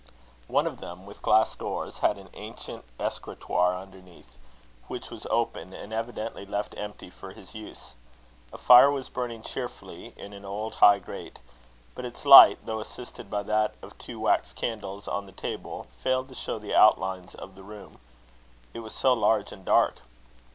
One of them, with glass doors, had an ancient escritoire underneath, which was open, and evidently left empty for his use. A fire was burning cheerfully in an old high grate; but its light, though assisted by that of two wax candles on the table, failed to show the outlines of the room, it was so large and dark.